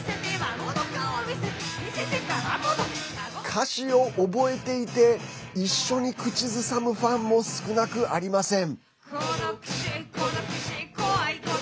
歌詞を覚えていて一緒に口ずさむファンも少なくありません。